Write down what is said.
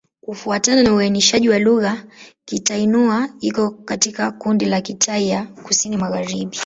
Kufuatana na uainishaji wa lugha, Kitai-Nüa iko katika kundi la Kitai ya Kusini-Magharibi.